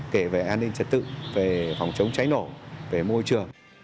kể về an ninh trật tự về phòng chống cháy nổ về môi trường